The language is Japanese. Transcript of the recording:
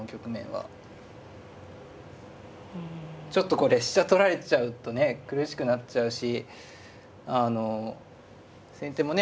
ちょっとこれ飛車取られちゃうとね苦しくなっちゃうし先手もね